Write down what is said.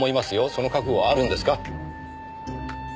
その覚悟はあるんですか？